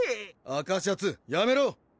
赤シャツやめろ！